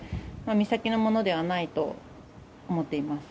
美咲のものではないと思っています。